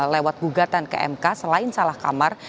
lewat gugatan kmk selain salah kamar